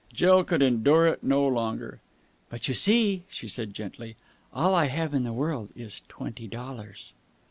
Jill could endure it no longer. "But, you see," she said gently, "all I have in the world is twenty dollars!"